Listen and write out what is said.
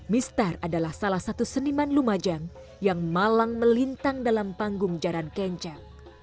mistar adalah salah satu seniman lumajang yang malang melintang dalam panggung jaran kenca